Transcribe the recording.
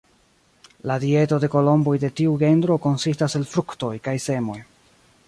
La dieto de kolomboj de tiu genro konsistas el fruktoj kaj semoj.